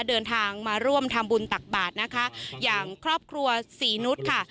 เดินทางมาร่วมทำบุญตักบาทนะคะอย่างครอบครัวศรีนุษย์ค่ะ